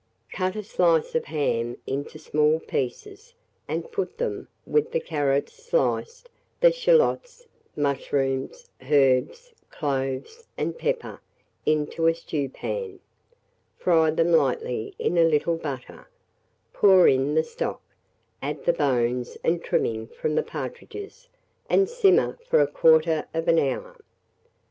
Cut a slice of ham into small pieces, and put them, with the carrots sliced, the shalots, mushrooms, herbs, cloves, and pepper, into a stewpan; fry them lightly in a little butter, pour in the stock, add the bones and trimming from the partridges, and simmer for 1/4 hour.